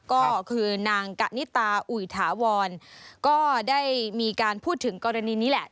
ก็คือนางกะนิตาอุยถาวรก็ได้มีการพูดถึงกรณีนี้แหละ